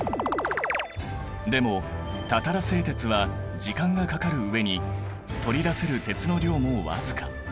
でもたたら製鉄は時間がかかる上に取り出せる鉄の量も僅か。